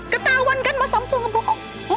ketauan kan mas hamsul ngebohong